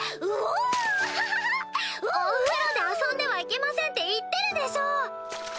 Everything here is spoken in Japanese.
お風呂で遊んではいけませんって言ってるでしょう！